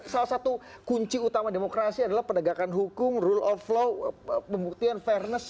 salah satu kunci utama demokrasi adalah penegakan hukum rule of law pembuktian fairness